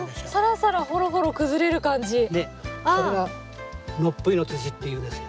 それがのっぷいの土っていうんですよ。